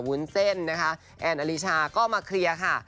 วุ้นเส้นนะคะแอนอลิชาก็มาเคลียร์ค่ะ